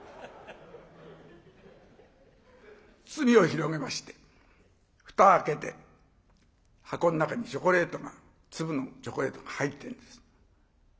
包みを広げまして蓋開けて箱の中にチョコレートが粒のチョコレートが入ってるんです。